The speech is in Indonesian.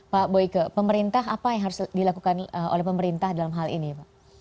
pak boyke pemerintah apa yang harus dilakukan oleh pemerintah dalam hal ini pak